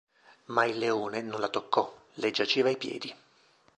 Ma il leone non la toccò; le giaceva ai piedi.